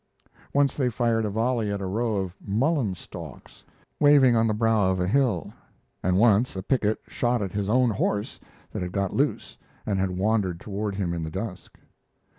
Once they fired a volley at a row of mullen stalks, waving on the brow of a hill, and once a picket shot at his own horse that had got loose and had wandered toward him in the dusk.